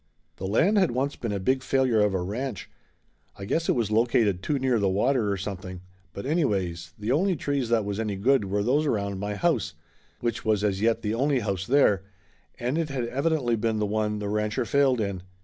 The land had once been a big failure of a ranch. I guess it was located too near the water, or something, but anyways, the only trees that was any good were those around my house, which was as yet the only house there and it had evidently been the one the rancher failed in.